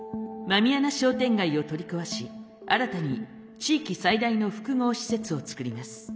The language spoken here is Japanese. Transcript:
狸穴商店街を取り壊し新たに地域最大の複合施設を作ります。